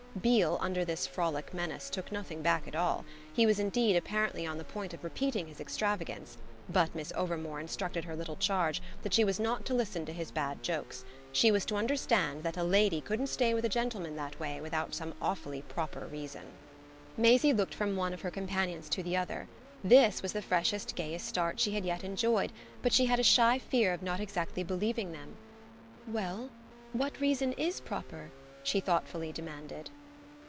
Beale, under this frolic menace, took nothing back at all; he was indeed apparently on the point of repeating his extravagance, but Miss Overmore instructed her little charge that she was not to listen to his bad jokes: she was to understand that a lady couldn't stay with a gentleman that way without some awfully proper reason. Maisie looked from one of her companions to the other; this was the freshest gayest start she had yet enjoyed, but she had a shy fear of not exactly believing them. "Well, what reason IS proper?" she thoughtfully demanded.